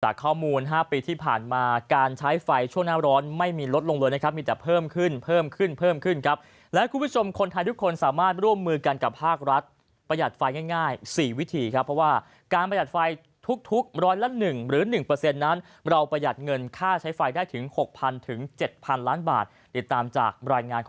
ข้อมูล๕ปีที่ผ่านมาการใช้ไฟช่วงหน้าร้อนไม่มีลดลงเลยนะครับมีแต่เพิ่มขึ้นเพิ่มขึ้นเพิ่มขึ้นครับและคุณผู้ชมคนไทยทุกคนสามารถร่วมมือกันกับภาครัฐประหยัดไฟง่าย๔วิธีครับเพราะว่าการประหยัดไฟทุกทุกร้อยละ๑หรือ๑นั้นเราประหยัดเงินค่าใช้ไฟได้ถึง๖๐๐ถึง๗๐๐ล้านบาทติดตามจากรายงานของ